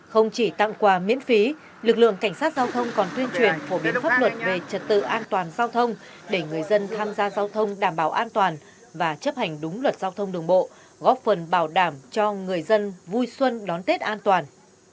không chỉ tặng quà miễn phí lực lượng cảnh sát giao thông còn tuyên truyền phổ biến pháp luật về trật tự an toàn giao thông để người dân tham gia giao thông đảm bảo an toàn và chấp hành đúng luật giao thông đường bộ góp phần bảo đảm cho người dân vui xuân đón tết an toàn